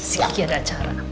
siki ada acara